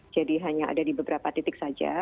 jadi hanya ada di beberapa titik saja